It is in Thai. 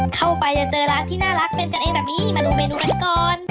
เข้าไปจะเจอร้านที่น่ารักเป็นกันเองแบบนี้มาดูเมนูกันก่อน